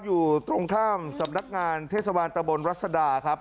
อยู่ตรงข้ามสำนักงานเทศบาลตะบนรัศดาครับ